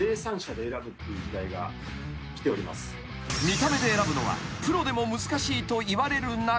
［見た目で選ぶのはプロでも難しいといわれる中］